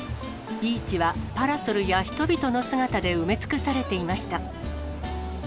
ビーチはパラソルや人々の姿で埋め尽くされていました。